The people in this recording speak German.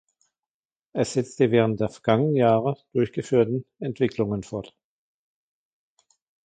Er setzt die während der vergangenen Jahre durchgeführten Entwicklungen fort.